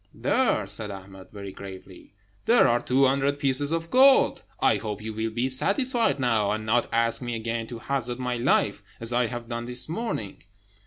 "There!" said Ahmed, very gravely, "there are two hundred pieces of gold. I hope you will be satisfied now, and not ask me again to hazard my life, as I have done this morning."